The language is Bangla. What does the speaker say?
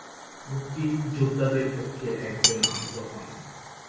মুক্তিযোদ্ধাদের পক্ষে একজন আহত হন।